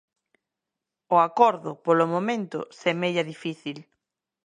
O acordo, polo momento, semella difícil.